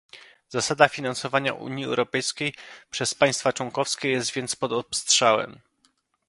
Zasada finansowania Unii Europejskiej przez państwa członkowskie jest więc pod obstrzałem